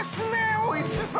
おいしそう。